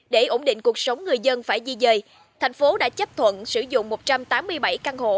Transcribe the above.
để ổn định cuộc sống người dân phải di dời thành phố đã chấp thuận sử dụng một trăm tám mươi bảy căn hộ